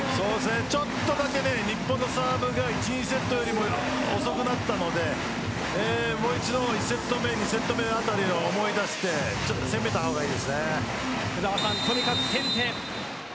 ちょっとだけ日本のサーブが１、２セットよりも遅くなったのでもう一度、１セット目２セット目あたりを思い出してとにかく先手。